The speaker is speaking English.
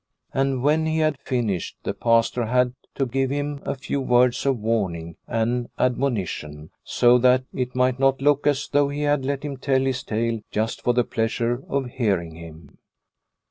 And when he had finished the Pastor had to give him a few words of warning and admonition, so that it might not look as though he had let him tell his tale just for the pleasure of hearing him.